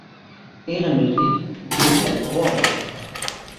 Ehrenmitglied: Günter Rohrbach